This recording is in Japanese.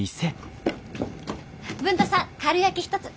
文太さんかるやき一つ。